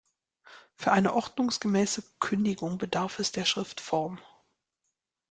Für eine ordnungsgemäße Kündigung bedarf es der Schriftform.